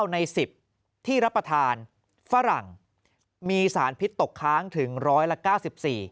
๙ใน๑๐ที่รับประทานฝรั่งมีสารพิษตกค้างถึง๑๙๔บาท